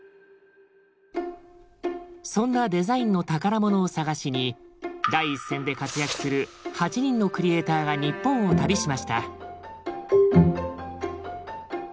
そんなデザインの宝物を探しに第一線で活躍する８人のクリエーターが日本を旅しました。